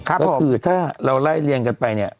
ก็คือถ้าเราไล่เรียงกันไปเนี่ย